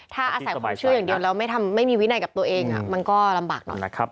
ถ้าอาศัยความเชื่ออย่างเดียวแล้วไม่มีวินัยกับตัวเองมันก็ลำบากหน่อยนะครับ